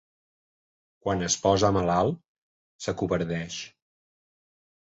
Quan es posa malalt s'acovardeix.